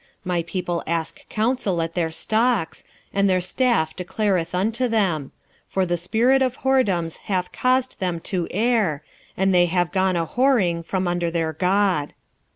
4:12 My people ask counsel at their stocks, and their staff declareth unto them: for the spirit of whoredoms hath caused them to err, and they have gone a whoring from under their God.